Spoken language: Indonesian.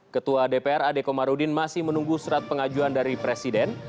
ketua dpr adekomarudin masih menunggu surat pengajuan dari presiden